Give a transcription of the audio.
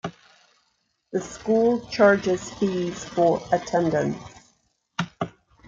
The school charges fees for attendance.